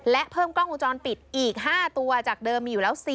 และเพิ่มกล้องวงจรปิดอีก๕ตัวจากเดิมมีอยู่แล้ว